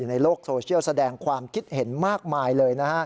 ในโลกโซเชียลแสดงความคิดเห็นมากมายเลยนะฮะ